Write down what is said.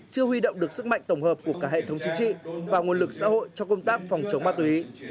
chưa huy động được sức mạnh tổng hợp của cả hệ thống chính trị và nguồn lực xã hội cho công tác phòng chống ma túy